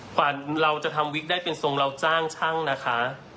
กว่าเราจะทำวิกได้เป็นทรงเราจ้างช่างนะคะ